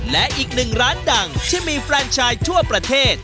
และอีกหนึ่งร้านดังที่มีแฟนชายทั่วประเทศ